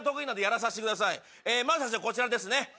まずこちらですね。